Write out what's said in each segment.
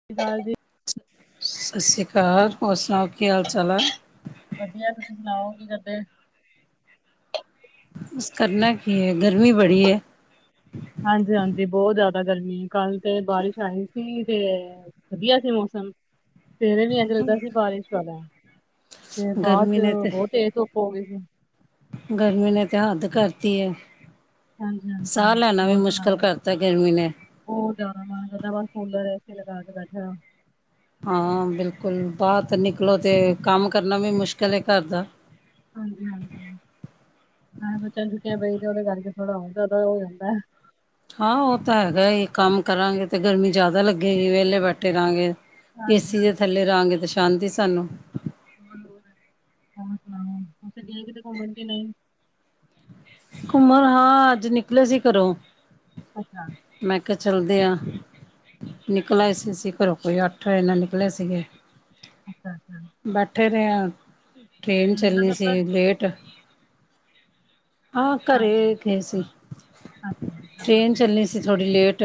' [unintelligible] ' ਜੀ। ਸ਼ਸੀ ਕਾਲ, ਹੋਰ ਸਣਾਉ, ਕੀ ਹਾਲ-ਚਾਲ ਆ। ਵਧੀਆ ਤੁਸੀਂ ਸੁਣਾਓ ਕੀ ਕਰਦੇ ਬੱਸ ਕਰਨਾ ਕੀ ਐ, ਗਰਮੀ ਬੜੀ ਐ। ਹਾਂਜੀ-ਹਾਂਜੀ ਬਹੁਤ ਜ਼ਿਆਦਾ ਗਰਮੀ ਕੱਲ ਤੇ ਬਾਰਿਸ਼ ਆਈ ਸੀ ਤੇ ਵਧੀਆ ਸੀ ਮੌਸਮ। ਸਵੇਰੇ ਵੀ ਇੰਜ ਲੱਗਦਾ ਸੀ, ਬਾਰਿਸ਼ ਵਾਲਾ, ਤੇ ਬਾਅਦ ਗਰਮੀ 'ਚ' ਨੇ ਤੇ ਬਹੁਤ ਤੇਜ਼ ਧੁੱਪ ਹੋ ਗਈ ਸੀ। ਗਰਮੀ ਨੇ ਤਾਂ ਹੱਦ ਕਰਤੀ ਐ। ਹਾਂਜੀ ਸਾਹ ਹਾਂਜੀ ਲੈਣਾ ਵੀ ਮੁਸ਼ਕਿਲ ਕਰਤਾ ਗਰਮੀ ਨੇ। ਹੋ ਜਾਣਾ ਮਨ ਪਰਚਾਵਾ ਕੂਲਰ ਏ ਸੀ ਲਗਾ ਕੇ ਬੈਠਾ ਰਹੋ। ਹਾਂ, ਬਿਲਕੁਲ ਬਾਹਰ ਤਾਂ ਨਿਕਲੋ ਤੇ ਕੰਮ ਕਰਨਾ ਵੀ ਮੁਸ਼ਕਿਲ ਐ ਘਰ ਦਾ। ਹਾਂਜੀ-ਹਾਂਜੀ ਹਾਂ, ਬੱਚਿਆਂ ਨੂੰ ਛੁੱਟੀਆ ਤੇ ਉਹਦੇ ਕਰਕੇ ਥੋੜਾ ਬਹੁਤ ਜ਼ਿਆਦਾ ਹੋ ਜਾਂਦਾ। ਹਾਂ ਉਹ ਤਾਂ ਹੈਗਾ ਹੀ ਕੰਮ ਕਰਾਂਗੇ ਤੇ ਗਰਮੀ ਜ਼ਿਆਦਾ ਲੱਗੇਗੀ ਵਿਹਲੇ ਬੈਠੇ ਰਹਾਂਗੇ। ਏ ਹਾਂਜੀ ਸੀ ਦੇ ਹਾਂਜੀ ਥੱਲੇ ਰਹਾਂਗੇ ਤਾਂ ਸ਼ਾਂਤੀ ਸਾਨੂੰ। ' [unintelligible] ' ਹੋਰ ਸੁਣਾਓ, ਹੁਣ ਚੱਲੀ ਆ ਕਿਤੇ ਘੁੰਮਣ ਕ ਨਹੀਂ। ਘੁੰਮਣ ਹਾਂ, ਅੱਜ ਨਿਕਲੇ ਸੀ ਘਰੋਂ। ਅੱਛਾ। ਮੈਂ ਕਿਹਾ ਚੱਲਦੇ ਆ, ਅੱਛਾ ਨਿਕਲ ਆਏ ਅਸੀ ਘਰੋਂ। ਕੋਈ ਅੱਠ ਜਾਨੇ ਨਿਕਲੇ ਸੀਗੇ। ਅੱਛਾ-ਅੱਛਾ। ਬੈਠੇ ਰਹੇ ਆ, ਟ੍ਰੇਨ ਦਾ ਚੱਲਣੀ ਸਫ਼ਰ ਸੀ ਲੇਟ। ਹਾਂ ਹਾਂਜੀ ਘਰੇ ਗਏ ਸੀ, ਅੱਛਾ ਜੀ, ਚਲੋ ਟ੍ਰੇਨ ਵਧੀਆ ਚੱਲਣੀ ਸੀ। ਤੇ ਥੋੜੀ ਲੇਟ,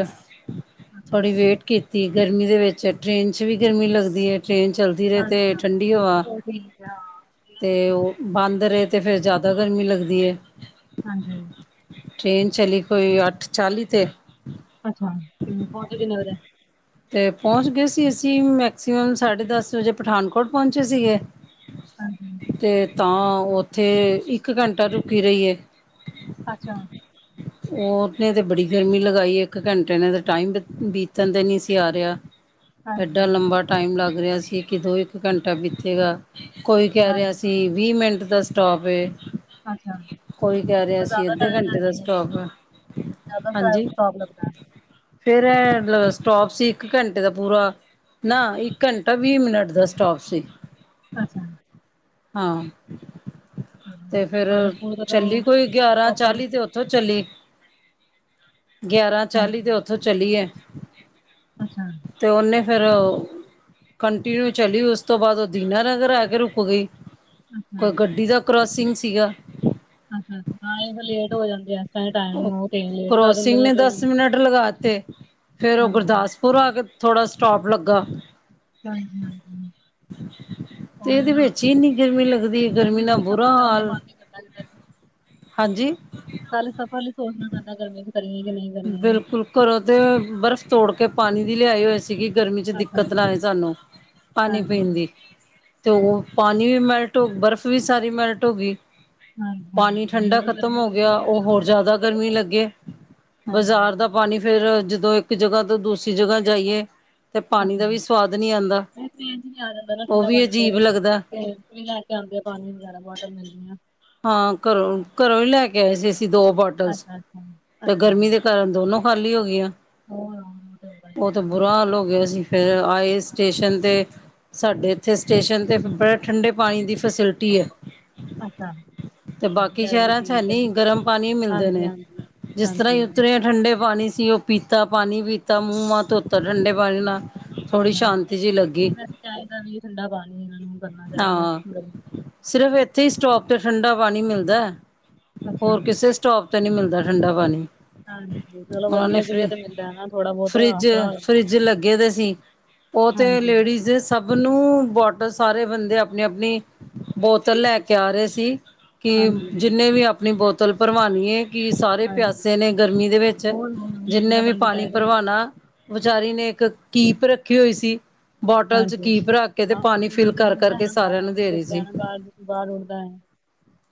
ਅੱਛਾ ਥੋੜੀ ਅੱਛਾ ਵੇਟ ਕੀਤੀ ਤੇ ਗਰਮੀ ਦੇ ਵਿੱਚ ਟ੍ਰੇਨ 'ਚ' ਵੀ ਲੱਗਦੀ ਐ, ਟ੍ਰੇਨ ਚੱਲਦੀ ਧੀਰੇ ਹਾਂਜੀ ਤੇ ਹਾਂ ਠੰਡੀ ਹਵਾ। ਹੋਰ ਠੀਕ ਆ ਹਾਂ ਤੇ ਉਹ ਬੰਦ ਰਹੇ ਤੇ ਫਿਰ ਜ਼ਿਆਦਾ ਗਰਮੀ ਲੱਗਦੀ ਐ। ਹਾਂਜੀ-ਹਾਂਜੀ। ਟ੍ਰੇਨ ਚਲੀ ਕੋਈ ਅੱਠ ਚਾਲ੍ਹੀ 'ਤੇ ਅੱਛਾ, ਤੇ ਪਹੁੰਚੀ ਕਿੰਨੇ ਵਜੇ। ਤੇ ਪਹੁੰਚ ਗਏ ਸੀ ਅਸੀਂ ਮੈਕਸੀਮਮ, ਸਾਢੇ ਦੱਸ ਵਜੇ ਪਠਾਨਕੋਟ ਪਹੁੰਚੇ ਸੀਗੇ ਹਾਂਜੀ। ਤੇ ਤਾਂ, ਉੱਥੇ, ਇੱਕ ਘੰਟਾ ਰੁਕੀ ਰਹੀਏ। ਅੱਛਾ। ਉਹਨੇ ਤੇ ਬੜੀ ਗਰਮੀ ਲਗਾਈ, ਇੱਕ ਘੰਟੇ ਨੇ ਤੇ ਟਾਈਮ ਬੀਤਣ ਤੇ ਨਹੀਂ ਸੀ ਆ ਰਿਹਾ। ਹਾਂਜੀ ਐਡਾ ਲੰਬਾ ਟਾਈਮ ਲੱਗ ਰਿਹਾ ਸੀ ਕਿ ਦੋ, ਇੱਕ ਘੰਟਾ ਬੀਤੇਗਾ ਕੋਈ ਕਹਿ ਰਿਹਾ ਹਾਂਜੀ ਸੀ, ਵੀਹ ਮਿੰਟ ਦਾ ਸਟੋਪਏ ਅੱਛਾ ਕੋਈ ਕਹਿ ਰਿਹਾ ਉਹ ਅਸੀਂ, ਜ਼ਿਆਦਾ ਅੱਧੇ ਟਾਈਮ ਘੰਟੇ ਦਾ ਲੈਂਦੀ ਸ ਹੈ ਟੋਪ ਏ, ਜ਼ਿਆਦਾ ਟਾਈਮ ਹਾਂਜੀ। ਸਟਾਪ ਲੱਗਦਾ ਫਿਰ ਐ ਸਟੋਪ ਸੀ ਮਤਲਬ ਇੱਕ ਘੰਟੇ ਦਾ ਪੂਰਾ। ਨਾ, ਇੱਕ ਘੰਟਾ ਵੀਹ ਮਿੰਟ ਦਾ ਸਟੋਪ ਸੀ। ਅੱਛਾ। ਹਾਂ, ਚਲੋ ਤੇ ਫੇਰ ਤੁਹਾਡੇ ਸਕੂਲ ਕਦੋਂ ਚੱਲੀ ਕੋਈ ਗਿਆਰਾਂ ਓਪਨ ਚਾਲੀ ਤੇ ਉ ਉਥੋਂ ਚਲੀ, ਗਿਆਰਾਂ ਚਾਲੀ ਹਾਂਜੀ ਤੇ ਉੱਥੋਂ ਚਲੀਏ। ਅੱਛਾ। ਤੇ ਉਹਨੇ ਫਿਰ ਕੰਟੀਨਿਊ ਚਲੀ ਉਸ ਤੋਂ ਬਾਅਦ ਉਹ ਦੀਨਾਨਗਰ ਆ ਕੇ ਰੁਕ ਗਈ। ਅੱਛਾ। ਕੋਈ ਗੱਡੀ ਦਾ ਕਰੋਸਿੰਗ ਸੀਗਾ। ਅੱਛਾ-ਅੱਛਾ ਨਾਲੇ ਫਿਰ ਲੇਟ ਹੋ ਜਾਂਦੇ ਆ। ਤਰ੍ਹਾਂ ਟਾਈਮ ਕਰੋਜ ਉਹ ਤੇ ਲੇਟ ਕਰ ਦਿੰਦੇ ਕਰੋਸਿੰਜ ਨੇ ਦੱਸ ਟ੍ਰੇਨ ਮਿੰਟ ਲਗਾਤੇ, ਫਿਰ ਉਹ ਹਾਂਜੀ ਗੁਰਦਾਸਪੁਰ ਫਿਰ ਉਹ ਆ ਕੇ ਥੋੜ੍ਹਾ ਜਾਂ ਸਟੋਪ ਲੱਗਾ। ਹਾਂ, ਹਮ-ਹਮ। ਤੇ ਕੋਈ ਇਹਦੇ ਨਾ, ਵਿੱਚ ਹੀ ਇੰਨੀ ਗਰਮੀ ਲੱਗਦੀ ਹੈ, ਗਰਮੀ 'ਚ' ਨਾਲ ਵੀ ਬੁਰਾ ਸਫ਼ਰ ਕਰਨ ਦਾ ਹਾਲ ਮਨ ਨੀ ਕਰਦਾ ਕਿ ਹਾਂਜੀ। ਕੱਲ ਸਫ਼ਰ ਲਈ ਸੋਚਣਾ ਪੈਂਦਾ ਵੀ ਕਰੀਏ ਕਿ ਕਰੀਏ। ਬਿਲਕੁਲ ਘਰੋਂ ਤੇ ਬਰਫ਼ ਤੋੜ ਕੇ ਪਾਣੀ ਦੀ ਲਿਆਈ ਹੋਏ ਸੀ। ' [unintelligible] ' ਗਰਮੀ 'ਚ' ਅੱਛਾ ਦਿੱਕਤ ਅੱਛਾ। ਨਾ ਆਏ ਸਾਨੂੰ, ਪਾਣੀ ਹਾਂਜੀ ਪੀਣ ਦੀ। ਤੇ ਉਹ ਪਾਣੀ ਮੈਲਟ ਹੋ, ਬਰਫ਼ ਵੀ ਸਾਰੀ ਮੈਲਟ ਹੋ ਗਈ। ਹਾਂਜੀ ਪਾਣੀ ਹਾਂਜੀ ਉਹੀ ਠੰਢਾ ਨਾ ਖ਼ਤਮ ਗਰਮੀ ਹੋ ਇੰਨੀ ਗਿਆ, ਬਹੁਤ ਉਹ ਹੈ ਹੋਰ ਉੱਥੇ ਜ਼ਿਆਦਾ ਕੀ ਗਰਮੀ ਕਰੇਗਾ। ਲੱਗੇ। ਹਾਂਜੀ ਬਾਜ਼ਾਰ ਦਾ ਪਾਣੀ ਫੇਰ ਜਦੋਂ ਇੱਕ ਜਗ੍ਹਾ ਤੋਂ ਦੂਸਰੀ ਜਗ੍ਹਾ ਜਾਈਏ ਤੇ ਪਾਣੀ ਦਾ ਅੱਛਾ। ਵੀ ਸਵਾਦ ਨਹੀਂ ਆਂਦਾ, ਨਹੀਂ ਟ੍ਰੇਨ ਚ ਨਹੀਂ ਆ ਜਾਂਦਾ ਨਾ ਉਹ ਠੰਡਾ ਵੀ ਪਾਣੀ ਤੇ ਅਜੀਬ ਲੱਗਦਾ। ਤੇ ਵੀ ਲੈ ਕੇ ਆਉਂਦੇ ਆ ਪਾਣੀ ਵਗੈਰਾ ਬੋਤਲ ਮਿਲਦੀਆਂ। ਹਾਂ ਘਰੋਂ, ਘਰੋਂ ਹੀ ਲੈ ਕੇ ਆਏ ਸੀ ਅਸੀਂ ਦੋ ਬੋਟਲਸ, ਅੱਛਾ ਅੱਛਾ ਤੇ ਗਰਮੀ ਦੇ ਕਾਰਨ ਦੋਨੋ ਖਾਲੀ ਹੋ ਗਈ ਆ। ਹਾਂ। ਉਹ ਤੇ ਬੁਰਾ ਹਾਲ ਹੋ ਗਿਆ ਸੀ, ਫਿਰ ਆਏ ਹੈ। ਸਟੇਸ਼ਨ ਤੇ। ਸਾਡੇ ਇੱਥੇ ਸਟੇਸ਼ਨ ਤੇ ਬੜੇ ਠੰਡੇ ਪਾਣੀ ਦੀ ਫੈਸਿਲਿਟੀ ਏ। ਅੱਛਾ। ਤੇ ਬਾਕੀ ਵਧੀਆ ਇਹ ਵੀ ਸ਼ਹਿਰਾਂ 'ਚ ਠੀਕ ਹੈ। ਹੈਨੀ ਗਰਮ ਪਾਣੀ ਮਿਲਦੇ ਹਾਂਜੀ ਨੇ, ਹਾਂਜੀ ਜਿਸ ਤਰ੍ਹਾਂ ਹਾਂਜੀ ਹੀ ਉੱਤਰੇ ਠੰਡੇ ਪਾਣੀ ਸੀ। ਉਹ ਪੀਤਾ, ਪਾਣੀ ਪੀਤਾ, ਮੂੰਹ-ਮਾਹ ਧੋਤਾ, ਠੰਡੇ ਪਾਣੀ ਨਾਲ। ਥੋੜ੍ਹੀ ਅੱਛਾ, ਸ਼ਾਂਤੀ ਜਿਹੀ ਲੱਗੀ ਵੈਸੇ ਚਾਹੀਦਾ ਵੀ ਠੰਡਾ ਪਾਣੀ ਇਹਨਾਂ ਨੂੰ ਕਰਨਾ ਚਾਹੀਦਾ। ਸਿਰਫ਼ ਇੱਥੇ ਹੀ ਸਟੋਕ ਤੇ ਠੰਡਾ ਪਾਣੀ ਮਿਲਦਾ। ਅੱਛਾ ਹੋਰ ਕਿਸੇ ਸਟੋਪ ਤੇ ਨੀ ਮਿਲਦਾ ਠੰਡਾ ਪਾਣੀ। ਹਾਂਜੀ ਚਲੋ ਉਹਨਾਂ ਨੇ ਵਧੀਆ ਫ ਕਿਤੇ ਤੇ ਮਿਲਦਾ ਨਾ ਥੋੜਾ ਬਹੁਤ ਫਰਿੱਜ, ਆਸਰਾ ਹੋ ਜਾਂਦਾ ਫਰਿੱਜ ਲੱਗੇ ਦੇ ਸੀ। ਉਹ ਤੇ ਹਾਂਜੀ ਲੇਡੀਜ਼ ਸਭ ਨੂੰ, ਬੋਟਲ ਸਾਰੇ ਬੰਦੇ ਆਪਣੀ-ਆਪਣੀ, ਬੋਤਲ ਲੈ ਕੇ ਆ ਰਹੇ ਸੀ। ਕਿ ਹਾਂਜੀ ਜਿੰਨੇ ਵੀ ਆਪਣੀ ਬੋਤਲ ਭਰਵਉਣੀਏ। ਕਿ ਸਾਰੇ ਹਾਂਜੀ ਪਿਆਸੇ ਨੇ ਗਰਮੀ ਦੇ ਵਿੱਚ। ਹੋਰ ਹੁਣ ਉਹੀ ਜਿੰਨੇ ਠੰਡਾ ਵੀ ਤਾਂ ਪਾਣੀ ਚਾਹੀਦਾ ਹੁੰਦਾ ਭਰਵਾਣਾ ਵਿਚਾਰੀ ਨੇ ਇੱਕ ਕੀਪ ਰੱਖੀ ਹੋਈ ਸੀ। ਬੋਟਲ ਚ ਹਾਂਜੀ ਕੀਪ ਰੱਖ ਕੇ ਤੇ ਹਾਂ ਪਾਣੀ ਫਿਲ ਹੁਣ ਕਰ ਜ਼ਰੂਰ ਦਾ ਹੈ ਕਰਕੇ-ਕਰਕੇ ਨਾ ਬਾਹਰ ਸਾਰਿਆਂ ਨੂੰ ਇੰਝ ਦੇ ਰਹੀ ਗਿਰਦਾ ਹੈ ਸੀ। ਨਾ ਬਾਹਰ ਬਾਹਰ ਉੱਠਦਾ ਹੈ।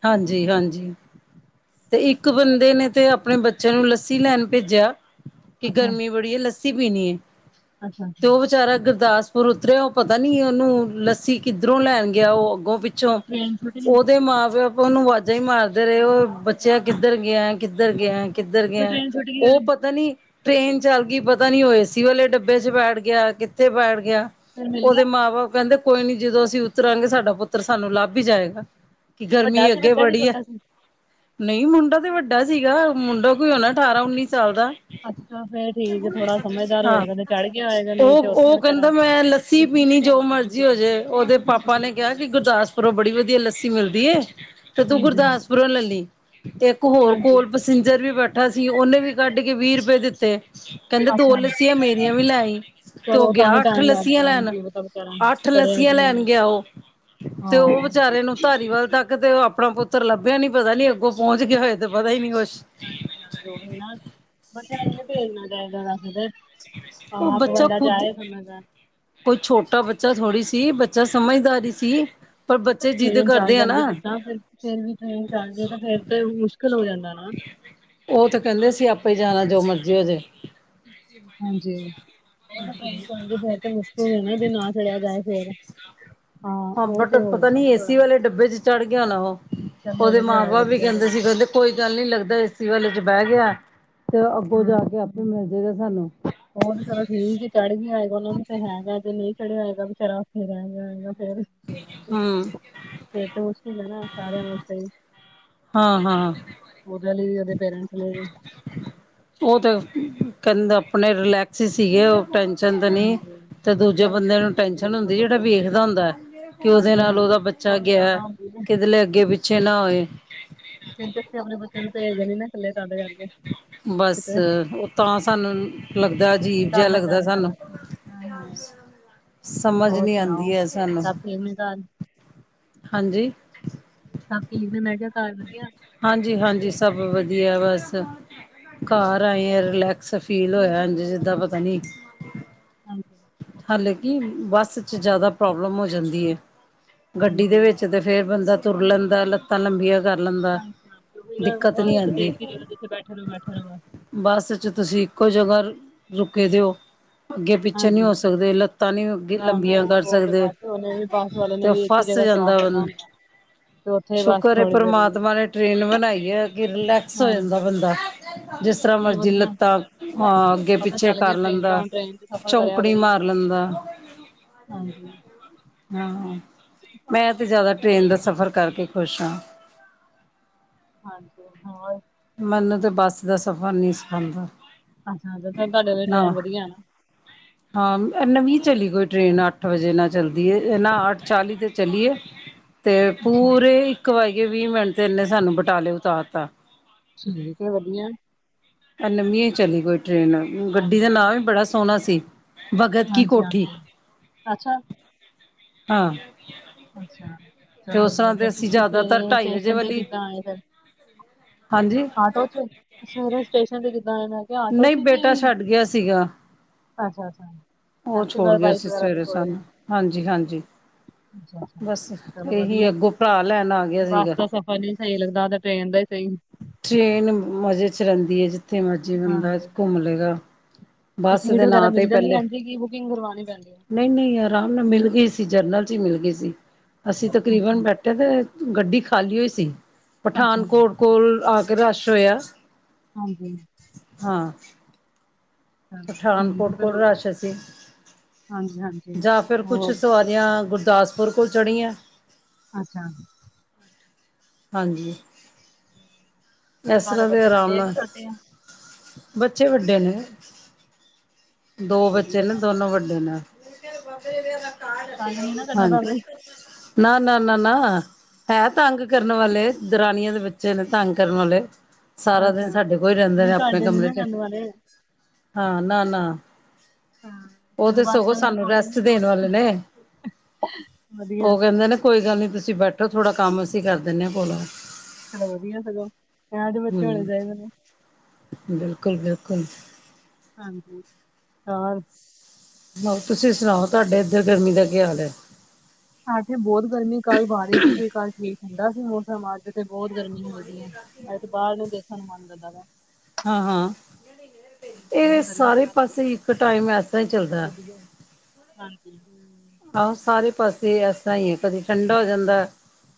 ਹਾਂਜੀ-ਹਾਂਜੀ, ਤੇ ਇੱਕ ਹੋਰ ਬੰਦੇ ਨੇ ਸੁਣਾਓ? ਤੇ ਆਪਣੇ ਬੱਚੇ ਲੱਸੀ ਲੈਣ ਭੇਜੀਆ, ਕਿ ਅੱਛਾ ਗਰਮੀ ਬੜੀ ਹੈ। ਲੱਸੀ ਪੀਣੀ ਹੈ। ਅੱਛਾ। ਵਿਚਾਰਾ ਗੁਰਦਾਸਪੁਰ ਉਤਰਿਆ ਉਹ ਪਤਾ ਨੀ ਉਹਨੂੰ ਲੱਸੀ ਕਿੱਧਰੋਂ ਲੈਣ ਗਿਆ। ਉਹ ਅੱਗੋਂ-ਪਿੱਛੋਂ [unintelligible] ਉਹਦੇ ਮਾਂ-ਪਿਓ ਉਹਨੂੰ ਆਵਾਜ਼ਾਂ ਹੀ ਮਾਰਦੇ ਰਹੇ ਉਹ, ਬੱਚਿਆ ਕਿੱਧਰ ਗਿਆ, ਕਿੱਧਰ ਗਿਆ ਕਿੱਧਰ ਫਿਰ ਗਿਆ, ਟ੍ਰੇਨ ਛੁੱਟ ਗਈ ਉਹ ਉਹਦੀ ਪਤਾ ਨੀ ਟ੍ਰੇਨ ਚੱਲ ਗਈ ਪਤਾ ਨੀ ਉਹ ਏ ਸੀ ਵਾਲੇ ਡੱਬੇ ਚ ਬੈਠ ਗਿਆ। ਕਿੱਥੇ ਬੈਠ ਗਿਆ। ਫਿਰ ਮਿਲ ਗਿਆ ਉਹਦੇ ਮਾਂ-ਬਾਪ ਕਹਿੰਦੇ, ਕੋਈ ਨੀ ਜਦੋਂ ਅਸੀਂ ਉਤਰਾਂਗੇ, ਸਾਡਾ ਪੁੱਤਰ ਸਾਨੂੰ ਲੱਭ ਹੀ ਜਾਏਗਾ। ਕਿ ਵੱਡਾ ਗਰਮੀ ਸੀ ਅੱਗੇ ਬੱਚਾ ਕਿ ਬੜੀ ਏ। ਛੋਟਾ ਸੀ ਨਹੀਂ ਮੁੰਡਾ ਤੇ ਵੱਡਾ ਸੀਗਾ। ਮੁੰਡਾ ਕੋਈ ਹੋਣਾ ਅਠਾਰਾਂ, ਉੱਨੀ ਸਾਲ ਦਾ। ਅੱਛਾ ਫੇਰ ਠੀਕ ਹੈ, [unintelligible] ਥੋੜਾ ਸਮਝਦਾਰ ਹਾਂ ਹੋਏਗਾ ਤੇ ਚੜ੍ਹ ਗਿਆ ਹੋਏਗਾ ਨਹੀਂ ਉਹ, ਤੇ ਉੱਥੇ ਉਹ ਕਹਿੰਦਾ ਵਿਚਾਰਾ ਮੈਂ ਲ ਲੱਸੀ ਪੀਣੀ ਜੋ ਮਰਜ਼ੀ ਹੋ ਜੇ, ਉਹਦੇ ਪਾਪਾ ਨੇ ਕਿਹਾ ਕਿ ਗੁਰਦਾਸਪੁਰੋਂ ਬੜੀ ਵਧੀਆ ਲੱਸੀ ਮਿਲਦੀ ਏ, ਤੇ ਤੂੰ ਹਾਂਜੀ ਗੁਰਦਾਸਪੁਰ ਲੈ ਲੀ, ਤੇ ਇੱਕ ਹੋਰ ਹਾਂਜੀ ਕੋਲ ਸਿੰਜਰ ਵੀ ਬੈਠਾ ਸੀ। ਉਹਨੇ ਵੀ ਕੱਢ ਕੇ ਵੀਹ ਰੁਪਏ ਦਿੱਤੇ। ਕਹਿੰਦਾ ਦੋ ਅੱਛਾ ਲੱਸੀਆਂ, ਮੇਰੀਆਂ ਵੀ ਲੈ ਆਈ। ਤੇ ਉਹ ਚਲੋ ਗਿਆ ਤਾਂ ਹੀ ਅੱਠ ਟਾਈਮ ਲੱਗ ਲੱਸੀਆਂ ਗਿਆ ਲੈਣ, ਕੀ ਪਤਾ ਵਿਚਾਰਾ ਅੱਠ ਚੜਿਆ ਲੱਸੀਆਂ ਕਿ ਲੈਣ ਨਹੀਂ ਗਿਆ ਉਹ ਤੇ ਉਹ ਹਾਂ ਵਿਚਾਰੇ ਨੂੰ ਧਾਰੀ ਵੱਲ ਤੱਕ ਤੇ ਉਹ ਆਪਣਾ ਪੁੱਤਰ ਲੱਭਿਆ ਨੀ, ਪਤਾ ਨੀ ਅੱਗੋਂ ਪਹੁੰਚ ਗਿਆ ਹੋਏ, ਤੇ ਪਤਾ ਹੀ ਨੀ ਕੁਛ ਹਾਂਜੀ ਹਾਂਜੀ ਉਹੀ ਨਾ, ਬੱਚਿਆਂ ਨੂੰ ਨੀ ਭੇਜਣਾ ਚਾਹੀਦਾ ਦੱਸਦੇ ਉਹ ਹਾਂ ਆਪ ਬੱਚਾ ਬੰਦਾ ਖੁਦ ਜਾਏ ਸਮਝਦਾਰ। ਕੋਈ ਛੋਟਾ ਬੱਚਾ ਥੋੜ੍ਹੀ ਸੀ। ਬੱਚਾ ਸਮਝਦਾਰੀ ਸੀ। ਨਹੀਂ ਪਰ ਬੱਚੇ ਜਿੱਦ ਟ੍ਰਰੇਨ 'ਚ ਆ ਕਰਦੇ ਨਾ ਜਾਂਦੀ ਜਿਸ ਤਾਂ ਫ ਫੇਰ ਵੀ ਟ੍ਰੇਨ ਚੱਲ ਜੇ ਤਾਂ ਫੇਰ ਤੇ ਮੁਸ਼ਕਿਲ ਜਾਂਦਾ ਨਾ। ਉਹ ਤਾਂ ਕਹਿੰਦੇ ਸੀ। ਆਪੇ ਹੀ ਜਾਣਾ ਜੋ ਮਰਜ਼ੀ ਹੋਜੇ। ਹਾਂਜੀ [unintelligible] 'ਚ ਫਿਰ ਤੇ ਮੁਸ਼ਕਿਲ ਐ ਨਾ ਜੇ ਨਾ ਚੜਿਆ ਜਾਏ ਫੇਰ ਹਾਂ ਉਹ ਬਟ ਤੇ ਹੋ ਪਤਾ ਜਾਂਦਾ ਨੀ ਨਾ ਥੋੜਾ ਏਸੀ ਵਾਲੇ ਡੱਬੇ 'ਚ ਚੜ੍ਹ ਗਿਆ ਨਾ ਉਹ ਚੱਲ ਉਹਦੇ ਮਿਲ ਗਿਆ ਮਾਂ ਹੋਏ ਬਾਪ ਵੀ ਵਧੀਆ ਕਹਿੰਦੇ ਸਗੋਂ ਸੀ ਕਹਿੰਦੇ ਕੋਈ ਗੱਲ ਨੀ ਲੱਗਦਾ ਏਸੀ ਵਾਲੇ 'ਚ ਬਹਿ ਤੇ ਅੱਗੋਂ ਜਾ ਹਮ ਕੇ ਆਪੇ ਮਿਲ ਜਾਏਗਾ ਸਾਨੂੰ ਉਹ ਤੇ ਚਲੋ ਠੀਕ ਚੜ੍ਹ ਗਿਆ ਆਏਗਾ ਉਹਨਾ ਨੂੰ ਤੇ ਹੈਗਾ ਤੇ ਨਹੀਂ ਚੜ੍ਹਿਆ ਹੋਏਗਾ ਵਿਚਾਰਾ ਉੱਥੇ ਰਹਿ ਗਿਆ ਹੈਏਗਾ ਫੇਰ ਹੂੰ ਇਹ ਤਾਂ ਮੁਸ਼ਕਿਲ ਐ ਨਾ ਸਾਰਿਆਂ ਵਾਸਤੇ [unintelligible] ਹਾਂ-ਹਾਂ। ਉਹਦੇ ਲਈ ਉਦੇ ਪੇਰੈਂਟਸ ਲਈ ਉਹ ਤੇ ਕਹਿੰਦੇ ਆਪਣੇ ਰਿਲੈਕਸ ਹੀ ਸੀਗੇ ਉਹ ਟੈਨਸ਼ਨ ਤੇ ਨੀ ਹਾਂਜੀ। ਤੇ ਦੂਜੇ ਚਲੋ ਬੰਦੇ ਫਿਰ ਨੂੰ ਠੀਕ ਟੈਨਸ਼ਨ ਰਹੇਗਾ ਹੁੰਦੀ ਜਿਹੜਾ ਬੱਚੇ ਨੂੰ। ਵੇਖਦਾ ਹੁੰਦਾ ਕਿ ਉਹਦੇ ਹਾਂਜੀ ਨਾਲ ਉਹਦਾ ਹਾਂਜੀ ਬੱਚਾ ਕੋਲ ਗਿਆ ਜ਼ਿਆਦਾ ਹੁੰਦੀ ਹੈ ਕਿਦਰੇ ਅੱਗੇ ਪਿੱਛੇ ਨਾ ਹੋਏ। ਕ ਅਸੀਂ ਆਪਣੇ ਬੱਚਿਆਂ ਨੂੰ ਭੇਜ ਦੇ ਨੀ-ਨਾ ਇਕੱਲੇ ਸਾਡੇ ਕਰਕੇ ਬਸ ਕਿਤੇ ਉਹ ਤਾਂ ਸਾਨੂੰ ਲੱਗਦਾ ਅਜੀਬ ਡਰ ਜਿਹਾ ਲੱਗਾ ਲੱਗਦਾ ਰਹਿੰਦਾ ਸਾਨੂੰ ਬਸ ਹਾਂ ਹਾਂ ਸਮਝ ਹੋਰ ਨੀ ਸੁਣਾਓ? ਆਉਂਦੀ ਐ ਸਾਨੂੰ, ਸਭ ਠੀਕ ਨੇ ਘਰ ਹਾਂਜੀ। [unintelligible] ਮੈਂ ਕਿਹਾ ਘਰ ਵਧੀਆ। ਹਾਂਜੀ-ਹਾਂਜੀ, ਸਭ ਵਧੀਆ ਬਸ। ਘਰ ਆਏ ਆ ਰਿਲੈਕਸ ਫੀਲ ਹੋਇਆ ਇੰਝ ਜਿਦਾਂ ਪਤਾ ਨੀ। ਹਾਂਜੀ। ਹਾਲੇਕਿ ਬੱਸ ਚ ਜ਼ਿਆਦਾ ਪ੍ਰੋਬਲਮ ਹੋ ਜਾਂਦੀ ਏ ਗੱਡੀ ਦੇ ਹਾਂਜੀ। ਵਿੱਚ ਤੇ ਫੇਰ ਬੰਦਾ ਤੁਰ ਲੈਂਦਾ ਲੱਤਾਂ ਲੰਬੀਆਂ ਕਰ [unintelligible] ਲੈਂਦਾ। ਹਾਂਜੀ-ਹਾਂਜੀ ਉਹੀ ਦਿੱਕਤ ਬਸ ਨਹੀਂ 'ਚ ਤਾਂ ਆਂਦੀ ਇੱਕ ਜਗਾਂ ਜਿੱਥੇ ਬੈਠੇ ਓ ਬੈਠੇ ਰੋ ਬਸ ਬੱਸ 'ਚ ਤੁਸੀਂ ਇੱਕੋ ਜਗ੍ਹਾ ਰੁਕੇ ਦਿਓ ਅੱਗੇ ਪਿੱਛੇ ਨਹੀਂ ਹਾਂਜੀ। ਹੋ ਸਕਦੇ ਲੱਤਾਂ ਨੀ ਨਾ ਨਾ ਲੰਬੀਆਂ ਕਰ ਉਹ ਤੇ ਸਕਦੇ ਬਸ ਉਹਨੇ ਵੀ ਬੱਸ ਵਾਲੇ ਨੇ ਤੇ ਵੀ ਇੱਕ ਹੀ ਫਸ ਜਗ੍ਹਾ ਸਟਾਪ ਜਾਂਦਾ ਕਰਨਾ ਬੰ ਹੁੰਦਾ। ਤੇ ਉੱਥੇ ਬਸ ਸ਼ੁਕਰ ਐ ਥੋੜੀ ਦੇਰ ਪਰਮਾਤਮਾ ਨੇ ਟ੍ਰੇਨ ਬਣਾਈ ਐ ਕਿ ਰਿਲੈਕਸ ਹੋ ਜਾਂਦਾ ਹਾਂਜੀ ਬੰਦਾ ਜਿਸ ਤਰ੍ਹਾਂ ਚਲ ਮਰਜੀ ਵਧੀਆ ਲੱਤਾਂ ਅਹ ਅੱਗੇ ਪਤਾ ਪਿੱਛੇ ਚੱਲ ਕਰ ਗਿਆ ਟ੍ਰੇਨ ਦਾ ਲੈਂਦਾ ਹੁਣ ਟ੍ਰੇਨ ਚ ਸਫ਼ਰ ਕਰਿਆ ਚੌਂਕੜੀ ਕਰੋ। ਮਾਰ ਬੁਲਾਂਦਾ। ਹਾਂਜੀ [unintelligible] ਹਾਂ-ਹਾਂ [unintelligible] ਮੈਂ ਤੇ ਜ਼ਿਆਦਾ ਟ੍ਰੇਨ ਦਾ ਸਫ਼ਰ ਕਰਕੇ ਖੁਸ਼ ਹਾਂ। ਹਾਂਜੀ ਹੋਰ? ਮੈਨੂੰ ਤਾਂ ਬੱਸ ਦਾ ਸਫ਼ਰ ਨੀ ਪਸੰਦ ਅੱਛਾ-ਅੱਛਾ ਤੁਹਾਡੇ ਲਈ ਟ੍ਰੇਨ ਵਧੀਆ ਨਾ। ਹਾਂ ਇਹ ਨਵੀਂ ਚਲੀ ਕੋਈ ਟ੍ਰੇਨ ਅੱਠ ਵਜੇ ਨਾਲ ਚੱਲਦੀ ਇਹ ਨਾ ਅੱਠ ਚਾਲੀ ਦੇ ਚੱਲੀਏ [unintelligible] ਤੇ ਅੱਛਾ ਪੂਰੇ ਇੱਕ ਵਜ ਕੇ ਵੀਹ ਮਿੰਟ ਤੇ ਇਹਨੇ ਸਾਨੂੰ ਬਟਾਲੇ ਉਤਾਰ ਤਾਂ। ਠੀਕ ਏ ਵਧੀਆ। ਇਹ ਨਵੀਂ ਏ ਚਲੀ ਕੋਈ ਟਰੇਨ ਗੱਡੀ ਦਾ ਹਾਂਜੀ ਨਾਂ ਵੀ ਬੜਾ ਸੋਹਣਾ ਸੀ। ਬਗਤ ਕੀ ਹਾਂਜੀ ਕੋਠੀ ਹਾਂਜੀ ਅੱਛਾ [unintelligible] ਆਹ। ਅੱਛ, ਚਲ ਵਧੀਆ ਤੇ ਫਿਰ ਅਸੀਂ ਤੁਸੀਂ ਜ਼ਿਆਦਾਤਰ ਸਵੇਰੇ ਢਾਈ ਵਜੇ ਸਟੇਸ਼ਨ ਤੇ ਵਾਲੀ ਕਿੱਦਾਂ ਆਏ ਫਿਰ। [unintelligible] ਹਾਂਜੀ ਆਟੋ 'ਚ ਸਵੇਰੇ ਸਟੇਸ਼ਨ ਤੇ ਕਿੱਦਾਂ ਆਏ ਫਿਰ। ਆਟੋ ਨਹੀਂ 'ਚ ਬੇਟਾ ਵੀ ਛੱਡ ਗਿਆ ਸੀਗਾ ਅੱਛਾ-ਅੱਛਾ। ਐਕਟੀਵਾ ਬਾਈਕ ਵਗੈਰਾ ਤੇ ਛੋੜ ਜਾਦੇ ਹਾਂਜੀ-ਹਾਂਜੀ [inaudible] ਬਸ ਚਲੋ ਇਹੀ ਅੱਗੋਂ ਭਰਾ ਲੈਣ ਆ ਗਿਆ ਸੀਗਾ। ਨਹੀ ਸਹੀ ਲੱਗਦਾ ਤਾਂ ਟ੍ਰੇਨ ਦਾ ਹੀ ਸਹੀ। ਟ੍ਰੇਨ ਮਜ਼ੇ 'ਚ ਰਹਿੰਦੀ ਐ ਜਿੱਥੇ ਮਰਜ਼ੀ ਬੰਦਾ ਹਾਂਜੀ ਘੁੰਮ ਲਏਗਾ। ਤੇ ਬੱਸ ਸੀਟ ਦੇ ਵਗੈਰਾ ਨਾਂ ਮਿਲ ਜਾਂਦੀ ਐਦੀਂ ਕਿ ਬੁਕਿੰਗ ਕਰਾਉਣੀ ਪੈਂਦੀ ਐ। ਨਹੀਂ-ਨਹੀਂ ਆਰਾਮ ਨਾਲ ਮਿਲ ਗਏ ਸੀ। ਜਰਨਲ 'ਚ ਹੀ ਮਿਲ ਗਏ ਸੀ। ਅਸੀਂ ਅੱਛਾ ਤਕਰੀਬਨ ਅੱਛਾ ਬੈਠੇ ਤੇ ਫੇਰ ਗੱਡੀ ਖਾਲੀ ਓ ਸੀ। ਅੱਛਾ ਪਠਾਨਕੋਟ ਕੋਲ ਆ ਕੇ ਰਸ਼ ਹੋਇਆ। ਹਾਂਜੀ। ਹਾਂ। ਚਲੋ ਠੀਕ ਪਠਾਨਕੋਟ ਫਿਰ ਕੋਲ ਹੋਰ ਕੀ। ਰਸ਼ ਸੀ। ਹਾਂਜੀ ਹਾਂਜੀ [unintelligible] ਜਾਂ ਫਿਰ ਕੁਛ ਹੋਰ ਸਵ ਜਾਂ ਗੁਰਦਾਸਪੁਰ ਕੋਲ ਚੜ੍ਹੀਆਂ। ਅੱਛਾ। ਹਾਂਜੀ। ਇਸ ਤੁਹਾਡੇ ਦੇ ਬੱਚੇ ਆਰਾਮ ਵੱਡੇ ਆ ਕਿ ਨਾਲ ਛੋਟੇ ਆ ਬੱਚੇ ਵੱਡੇ ਨੇ ਦੋ ਚਲੋ ਬੱਚੇ ਵਧੀਆ ਨੇ ਤਾਂ ਦੋਨੋ ਵੱਡੇ ਨੇ। ਵਧੀਆ ਤੰਗ ਨੀ ਨਾ [unintelligible] ਕਰਦਾ ਹਾਂਜੀ। ਤੁਹਾਨੂੰ ਨਾ-ਨਾ-ਨਾ-ਨਾ ਐ ਤੰਗ ਕਰਨ ਵਾਲੇ ਦਰਨਾਣੀਆਂ ਦੇ ਬੱਚੇ ਨੇ। ਤੰਗ ਕਰਨ ਵਾਲੇ ਸਾਰਾ ਅੱਛਾ ਦਿਨ ਸਾਡੇ ਕੋਲ ਹੀ ਰਹਿੰਦੇ ਨੇ। ਨਹੀਂ ਆਪਣੇ ਤੁਹਾਡੇ ਨੀ ਕਮਰੇ ਨਾ 'ਚ। ਕਰਨ ਵਾਲੇ ਹਾਂ ਨਾ-ਨਾ ਹਾਂ ਉਹ ਚਲੋ ਤਾਂ ਸਗੋਂ ਸਾਨੂੰ ਰੈਸਟ ਦੇਣ ਵਾਲੇ ਨੇ। ਹਅ ਵਧੀਆ। ਉਹ ਕਹਿੰਦੇ ਨੇ ਕੋਈ ਗੱਲ ਨਹੀਂ ਤੁਸੀਂ ਬੈਠੋ। ਥੋੜ੍ਹਾ ਕੰਮ ਅਸੀਂ ਕਰ ਦਿੰਦੇ ਆ। ਕੋਲੋਂ ਚਲੋ ਵਧੀਆ ਸਗੋਂ ਇਹੋ ਜਿਹੇ ਬੱਚੇ ਹੋਣੇ ਹਮ ਚਾਹੀਦੇ ਨੇ। ਬਿਲਕੁਲ ਬਿਲਕੁਲ। ਹਾਂਜੀ, ਹੋਰ ਬ ਤੁਸੀਂ ਸੁਣਾਓ। ਤੁਹਾਡੇ ਇੱਧਰ ਗਰਮੀ ਦਾ ਕੀ ਹਾਲ ਏ? ਅੱਜ ਬਹੁਤ ਗਰਮੀ ਕੱਲ੍ਹ ਬਾਰਸ਼ ਨੀ ਸੀ ਕੱਲ ਠੀਕ ਠੰਡਾ ਸੀ ਮੌਸਮ। ਅੱਜ ਤੇ ਬਹੁਤ ਗਰਮੀ ਹੋਈ ਵੀ ਐ। ਅਜ ਤੇ ਬਾਹਰ ਨੂੰ ਦੇਖਣ ਨੂੰ ਮਨ ਨੀਂ ਕਰਦਾ ਵਾ। ਹਾਂ ਹਾਂ। ਇਹ ਇੰਨੀ ਗਰਮੀ ਸਾਰੇ ਆ ਅੱਜ ਤੇ ਪਾਸੇ ਇੱਕ ਟਾਈਮ ਇਦਾਂ ਚੱਲਦਾ। ਹਾਂਜੀ ਆਹੋ ਸਾਰੇ ਪਾਸੇ ਐਸਾ ਏ ਆ। ਕਦੇ ਠੰਢਾ ਹੋ ਜਾਂਦਾ।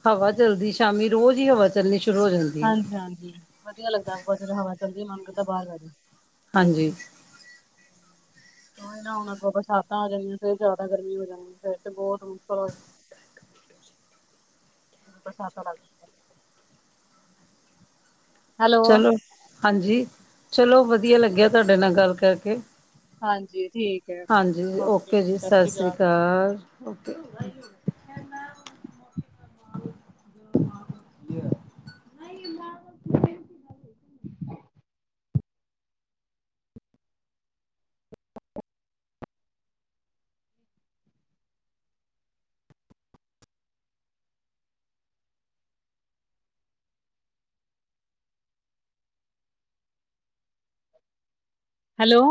ਹਵਾ ਚੱਲਦੀ ਸ਼ਾਮੀ ਰੋਜ਼ ਹੀ ਹਵਾ ਚੱਲਣੀ ਸ਼ੁਰੂ ਹੋ ਜਾਂਦੀ ਆ। ਹਾਂਜੀ ਹਾਂਜੀ। ਵਧੀਆ ਲੱਗਾ ਬ ਹਵਾ ਚਲਦੀ ਮਨ ਕਰਦਾ ਬਾਹਰ ਬਹਿ ਜੋ। ਹਾਂਜੀ ਨਾ ਹੁਣ ਅੱਗੋ ਬਰਸਾਤਾਂ ਆ ਜਾਣੀਆਂ ਫੇਰ ਜ਼ਿਆਦਾ ਗਰਮੀ ਹੋ ਜਾਣੀ ਫੇਰ ਤੇ ਬਹੁਤ ਮੁਸ਼ਕਿਲ ਹੋ ਜਾਣੀ। [inaudible] ਬਰਸਾਤਾਂ ਬ ਹੈਲੋ ਚਲੋ ਹਾਂਜੀ। ਚਲੋ ਵਧੀਆ ਲੱਗਿਆ ਤੁਹਾਡੇ ਨਾਲ ਗੱਲ ਕਰਕੇ। ਹਾਂਜੀ ਠੀਕ ਹੈ ਹਾਂਜੀ ਓਕੇ ਜੀ। ਸਤਿ ਸ਼੍ਰੀ ਅਕਾਲ ਸਸਰੀਕਾਲ ਓਕੇ। ਹਾਂ [unintelligible] ਹੈਲੋ